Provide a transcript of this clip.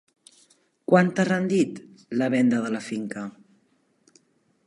Quant t'ha rendit, la venda de la finca?